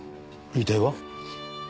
遺体は？